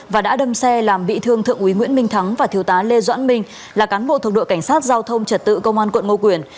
và đã đâm xe làm bị thương thượng úy nguyễn minh thắng và thiếu tá lê doãn minh là cán bộ thuộc đội cảnh sát giao thông trật tự công an quận ngo quyền